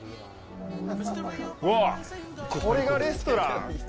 うわ、これがレストラン？